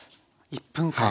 １分間。